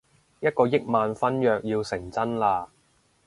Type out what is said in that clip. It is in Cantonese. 一個億萬婚約要成真喇